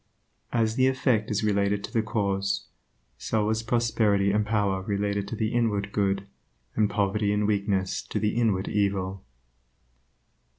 As the effect is related to the cause, so is prosperity and power related to the inward good and poverty and weakness to the inward evil.